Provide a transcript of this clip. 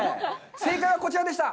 正解はこちらでした。